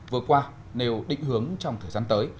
vừa qua nêu định hướng trong thời gian tới